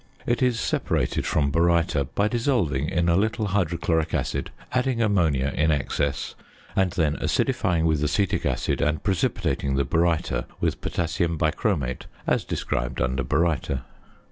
It is separated from baryta by dissolving in a little hydrochloric acid, adding ammonia in excess, and then acidifying with acetic acid, and precipitating the baryta with potassium bichromate, as described under Baryta.